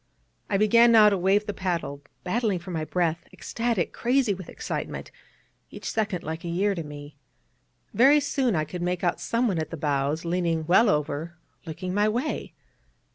I began now to wave the paddle, battling for my breath, ecstatic, crazy with excitement, each second like a year to me. Very soon I could make out someone at the bows, leaning well over, looking my way.